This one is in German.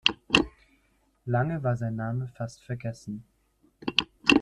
Lange war sein Name fast vergessen.